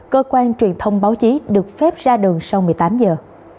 cơ quan truyền thông báo chí được phép ra đường sau một mươi tám giờ